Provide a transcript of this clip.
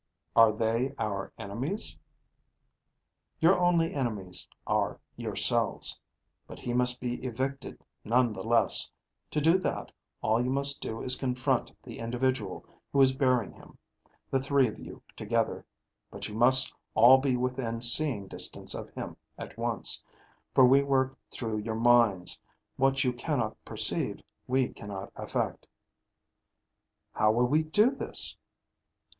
"Are they our enemies?" "Your only enemies are yourselves. But he must be evicted none the less. To do that, all you must do is confront the individual who is bearing him, the three of you together. But you must all be within seeing distance of him at once. For we work through your minds. What you cannot perceive, we cannot affect." "How will we do this?"